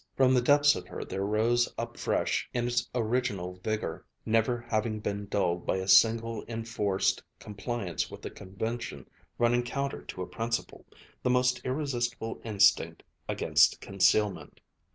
From the depths of her there rose up fresh in its original vigor, never having been dulled by a single enforced compliance with a convention running counter to a principle, the most irresistible instinct against concealment.